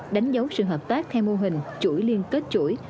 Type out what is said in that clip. đánh dấu sự hợp tác theo mô hình chuỗi liên kết chuỗi